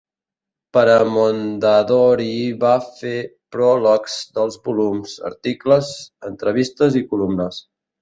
Per a Mondadori va fer pròlegs dels volums, articles, entrevistes i columnes.